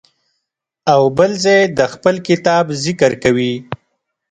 او بل ځای د خپل کتاب ذکر کوي.